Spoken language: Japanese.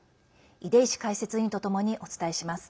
出石解説員とともにお伝えします。